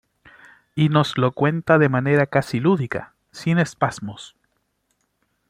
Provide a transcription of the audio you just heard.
Y nos lo cuenta de manera casi lúdica, sin espasmos.